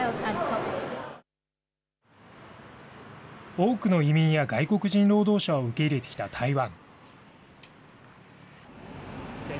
多くの移民や外国人労働者を受け入れてきた台湾。